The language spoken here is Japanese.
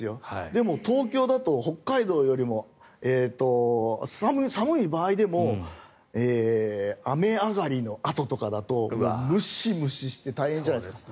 でも、東京だと北海道よりも寒い場合でも雨上がりのあととかだとムシムシして大変じゃないですか。